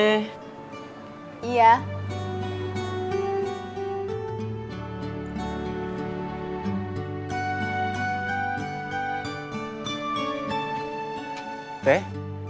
silahkan ditunggu teh